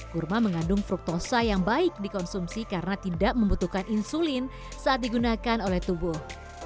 kurma mengandung fruktosa yang baik dikonsumsi karena tidak membutuhkan insulin saat digunakan oleh tubuh